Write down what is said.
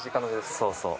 そうそう。